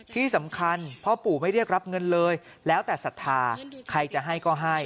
ที่สำคัญพ่อปู่ไม่เรียกรับเงินเลยแล้วแต่ศรัทธาใครจะให้ก็ให้